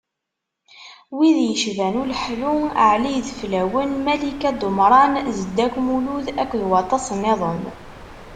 Wid yecban Uleḥlu, Ali Ideflawen, Malika Dumran, Zeddek Lmulud akked waṭas-nniḍen.